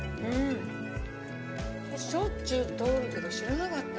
しょっちゅう通るけど知らなかった。